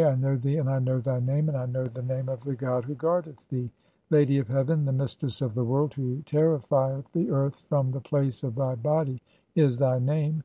I know thee, and I know "thy name, and I know (6) the name of the god .who guardeth "thee. 'Lady of heaven, the mistress of the world, who terrifieth THE CHAPTER OF THE PYLONS. 245 "the earth from the place of [thy] body', is thy name.